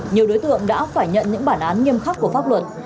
nhiều đối tượng đã phải nhận những bản án nghiêm khắc của pháp luật